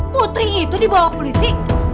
putri itu dibawa polisi